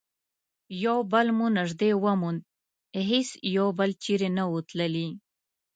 یو بل مو نژدې وموند، هیڅ یو بل چیري نه وو تللي.